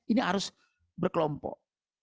ini harus berkelompok